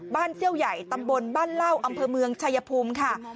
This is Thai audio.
เซี่ยวใหญ่ตำบลบ้านเหล้าอำเภอเมืองชายภูมิค่ะ